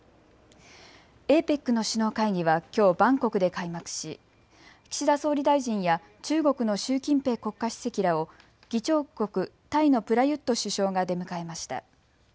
ＡＰＥＣの首脳会議はきょうバンコクで開幕し岸田総理大臣や中国の習近平国家主席らを議長国タイのプラユット首相が出迎えました。